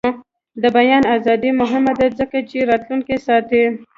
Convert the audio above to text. د بیان ازادي مهمه ده ځکه چې راتلونکی ساتي.